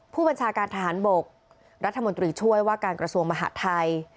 ผู้บัญชาการทหารบกรัฐมนตรีช่วยว่าการกระทรวงมหาดไทย